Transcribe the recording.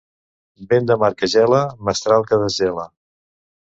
Vent de mar que gela, mestral que desgela.